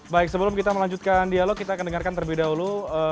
baik sebelum kita melanjutkan dialog kita akan dengarkan terlebih dahulu